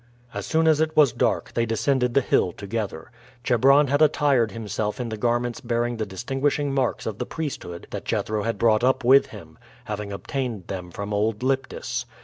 As soon as it was dark they descended the hill together. Chebron had attired himself in the garments bearing the distinguishing marks of the priesthood that Jethro had brought up with him, having obtained them from old Lyptis.